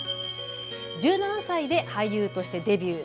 １７歳で俳優としてデビュー。